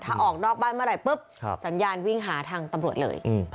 ถ้าออกนอกบ้านเมื่อไหร่ปุ๊บสัญญาณวิ่งหาทางตำรวจเลย